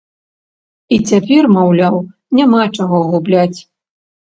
І цяпер, маўляў, няма чаго губляць.